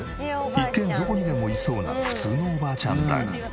一見どこにでもいそうな普通のおばあちゃんだが。